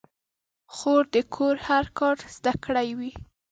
خور د کور هر کار زده کړی وي.